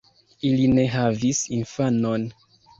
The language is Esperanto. Ili ne havis infanon.